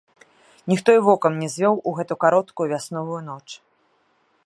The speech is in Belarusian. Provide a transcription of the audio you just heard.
Ніхто і вокам не звёў у гэту кароткую вясновую ноч.